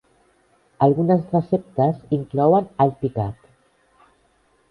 Algunes receptes inclouen all picat.